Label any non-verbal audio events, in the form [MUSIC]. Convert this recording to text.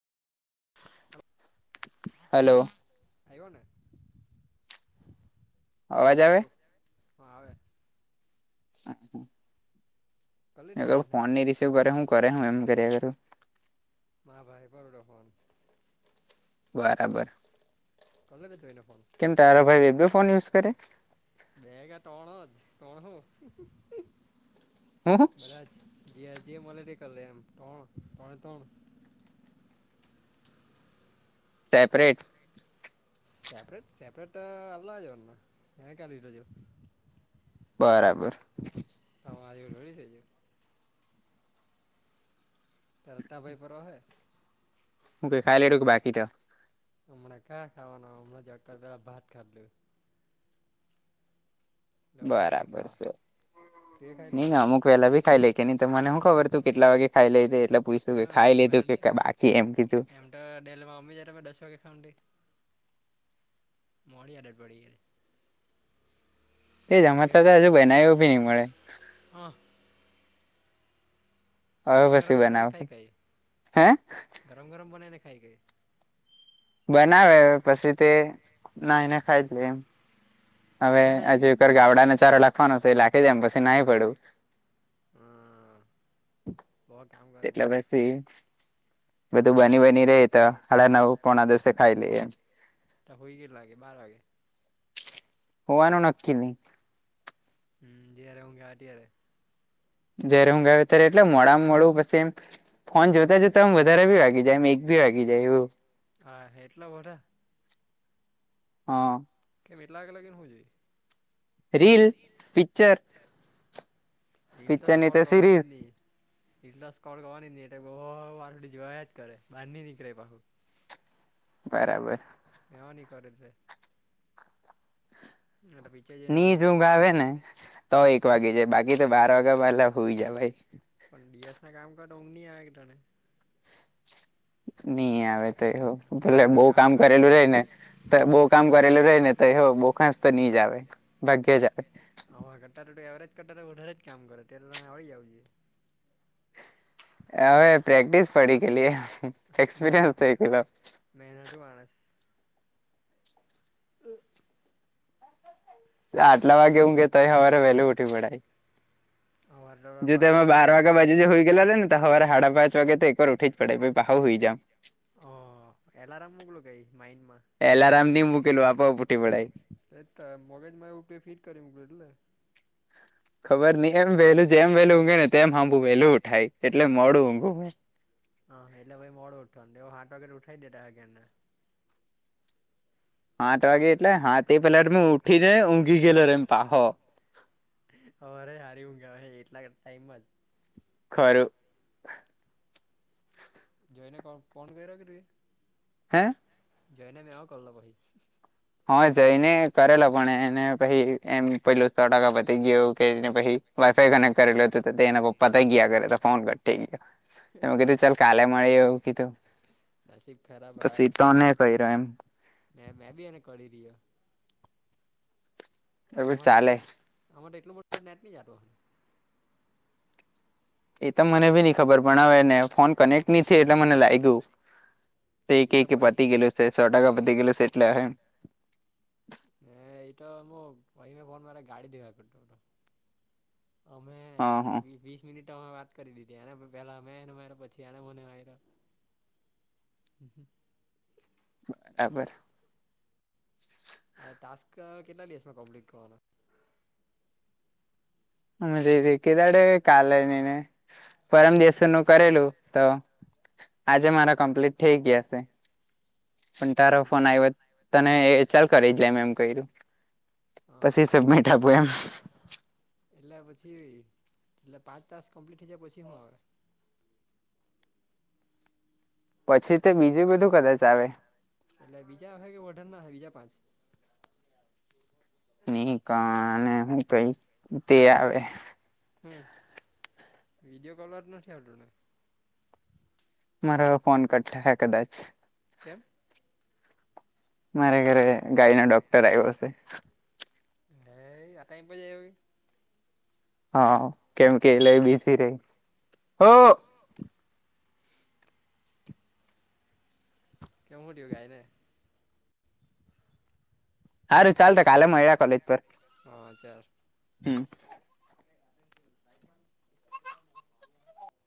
Hello આવ્યો ને અવાજ હ આવે હા આવે હાછા એ કલેડી જ ને ફોન વાત નને રિસીવ કરે હું કરે હું એમ કરુ ના ભાઈ પરરોડા ફોન બરાબર કલેને જો હોને ફોન કેમ તારો ભાઈ એ ફોન યુઝ કરે બેગ ત્રણ હો જ કોણ હો હું બધા જજી મળે ક લે એમ તણ તણે તણ સેપરેટ સેપરેટ સેપરેટ આલ્લા જ ના ક ક લોજ બરાબર હા આજોળી જઇજો તરટા ભાઈ પ હોય. હુ કેઈ ખાઈ લ એડું બાકીટ હમણાં ક્યાં ખાવાનું હમણાં જ પેલા ભત ખાલ એટલે મોડેથી બરાબર ખાવા છે તે ખાઈ નઈ લીધું ના અમુક વેલા ભી ખાઈ લેખ નહી મને હુ ખબર તુ કેટલા વાગે. ખાઈ લીધું એટલે પૂછું કે હા ખાઈ લીધું મારે કે બાકી એમ કીધુ એમ તો ડેલેમાં મ જે્યારે દસ વાગે ખઉ મોળી આદત પડી ગ તે ગઈ જમાતા તો હજુ બનાવ્યો બી નહી મળે હા હવે ગરમ પછી ગરમ બનાને બનાવે ખાઈ હે કઈ ગરમ ગરમ બનાને ખાય કઈ બનાવે પછી તે નાઈને ખાઈ જ લે એમ હવે બધા નાઈ ગઈ હજર ગાવડાને ચારો લખવાનો છે, એ લખી જ એમ પછી નાહી પડુ હા બ કામ કરે એટલે પઈરો પછી બધું બની બની રે તો હળ નવું પોણા દસે ખાઈ લે એમ ટ હોય ગ લાગે બાર વાગે હોવાનુ, નક્કી નહી. હમ જ્યારે હુગે આતીય્યારે જ્યારે હું ગાવ ત્યારે એટલે મોડામાં મળું પછી એમ ફોન જોતા જોતામ વધારે ભી વાગી જાય એક ભી વાગી જાયવ. હા એટલા વડા હા કેમ એટલા લગીન હું જોઈ? Reel, picture. રિલ તો પિક્ચર ની સ્ક્રોલ કરવાની સિરીઝ જ ની. રિલ તો સ્ક્રોલ કરવાની જ નહીં, એટલે બહુ વારડી જોવાયા જ કરે, બાર નહીં નીકળે પાહું. બરાબર. [UNINTELLIGIBLE] નીચ જામ ઊંઘ આવે ને, તો એક વાગે જાય, બાકી તો બાર વાગ્યા પહેલા હુઈ જવાય. પણ ડી એસ ના કામ કર તો ઊંઘ ની આવે કે તને? નઈ આવે તો એવું, આટલું ભલે બધું બહું કામ કરે તેઓ કરેલું રેય ને તો બહું કામ કરેલું રહે ને, તો એ હો બહુ ખાસ તો ની જ આવે. ભાગ્ય જ અમાર કરતા તો-તો એવરેજ તો કરતા વધારે જ કામ કરે, [UNINTELLIGIBLE] આવી આવી જોઈ. હવે પ્રેક્ટિસ પડી ગયેલી, એક્સપિરીયન્સ થઈ ગયેલો. મહેનતુ માણસ. ને આટલા વાગે હું ઊંઘે તોય હવારે વહેલું ઊઠવું [UNINTELLIGIBLE] હવારે તો જો પાહા તમે ઉઠાડી બાર વાગા મૂકે બાજું જે હુઈ ગયેલા નન તો હવારે હાડા પાંચ વાગે તો એક વાર ઉઠી જ પડે, પહી તો હાવ હુઈ જાવ. હા. એલારામ [UNINTELLIGIBLE] માઈન્ડમાં એલાર્મ ની મૂકેલું આપોઆપ ઉઠી પડાય. તે-તે મગજમાં એવું તે ફીટ કરી મૂક્યું એટલે. ખબર નહીં, એમ વહેલું જેમ વહેલું ઊંઘે ને તેમ હામું વહેલું ઉઠાય, એટલે મોડું ઊંઘું ભાઈ. હા. એટલે ભાઈ મોડું ઉઠવાનું. તેઓ હાત વાગે તો ઉઠાવી [UNINTELLIGIBLE] આઠ વાગે એટલે હા તે પેલા [UNINTELLIGIBLE] ઉઠી જા, ઊંઘી ગયેલો રહેમ પાહો. હવારે હારી ઊંઘ આવે એટલા ટાઈમ માં જ. ખરું. જોઈને કો ફોન [UNINTELLIGIBLE] હે? જયને [UNINTELLIGIBLE] કરલો ભાઈ. હા જય ને કરેલો પણ એને પહી એમ પેલું સો ટકા વધી ગયું એવું કહીને પહી વાયફાઈ કનેક્ટ કરેલું હતું તો તેના પપ પતાઈ ગયા ઘરે તો ફોન કટ ગયો, તો મે કીધું ચલ કાલે મળીએ એવું કીધું. નસીબ પછી તને કયરા એમ? મે-મેં બી એને કરી રહ્યો. એ આમા તો ચાલે પણ, આમા તો એટલો બધો નેટ ની જાતો. એ તો હે મને ભી નઈ ખબર, પણ હવેને ફોન કનેક્ટ નહી થયે એટલે મને લાયગું. તે એ ક્યે તો કે પછી પતી ગયેલું સે, ટકા પતી ગયેલું સે એટલે. ને ઈ તો અમુક [UNINTELLIGIBLE] ગાડી દેવા કરતો તો. અમે હા હા વી વીસ મિનિટ અમે વાત કરી લીધી, એને પ પેલા મેં ને મેં ને પછી એને મને માયરો. હમ્મ-હમ્મ. બરાબર. આ ટાસ્ક કેટલા દિવસમાં કમ્પ્લીટ થવાનો? [UNINTELLIGIBLE] કાલે નહીં ને, પરમદિવસે એનું કરેલું તો. આજે મારા કમ્પ્લીટ થઇ ગયા સે. પણ તારો એટલે ફોન આયવો, તને ચલ કરી જ લેય મે કયરું. હા હા પછી સબમીટ આપું એમ. એટલે પછી, એટલે પાંચ તાસ્ક કમ્પ્લીટ થઈ જાય પછી હું આવે? પછી તો બીજું બધું કદાચ આવે. એટલે બીજા [UNINTELLIGIBLE] ના બીજા પાંચ. નહીં કા આને હું કેઈ તે આવે. હમ્મ. વિડીયો કોલ જ નથી આવતું ને? મારો હવે ફોન કટ થાહે કદાચ. કેમ? મારે ઘરે ગાય નો ડોક્ટર આવ્યો હશે. એ આ ટાઈમ પર આવ્યો કે. હા કેમ કે લઈ બીજી રહી હો કેવ હું થયું ગાયને. હારુ ચાલ તો કાલે મયડા કોલેજ પર. હા ચાલ. હમ્મ.